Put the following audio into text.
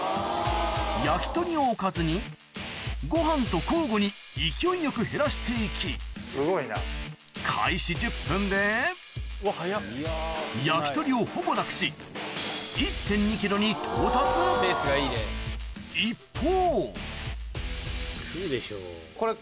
焼き鳥をおかずにご飯と交互に勢いよく減らしていき・すごいな・焼き鳥をほぼなくしに到達一方